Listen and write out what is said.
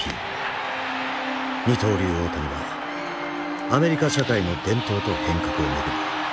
二刀流大谷はアメリカ社会の伝統と変革を巡り